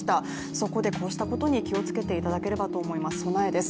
そこでこうしたことに気をつけていただければと思います、備えです。